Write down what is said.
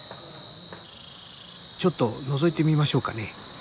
ちょっとのぞいてみましょうかね。